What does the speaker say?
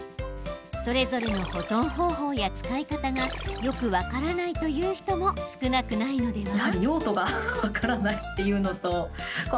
それぞれの保存方法や使い方がよく分からないという人も少なくないのでは？